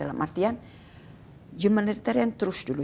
dalam artian humanitarian truce dulu